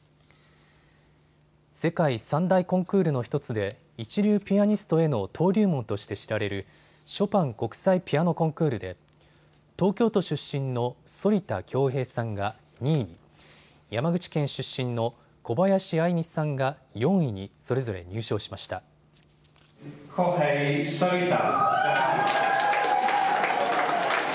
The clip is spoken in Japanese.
世界３大コンクールの１つで一流ピアニストへの登竜門として知られるショパン国際ピアノコンクールで東京都出身の反田恭平さんが２位に、山口県出身の小林愛実さんが４位にそれぞれ入賞しました。